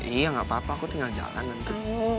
iya nggak apa apa aku tinggal jalan nanti